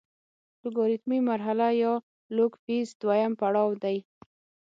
لوګارتمي مرحله یا لوګ فیز دویم پړاو دی.